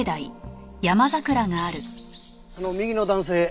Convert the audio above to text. その右の男性